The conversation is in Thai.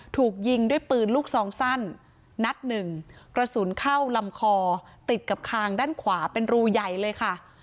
ถูกยิงด้วยปืนลูกซองสั้นนัดหนึ่งกระสุนเข้าลำคอติดกับคางด้านขวาเป็นรูใหญ่เลยค่ะ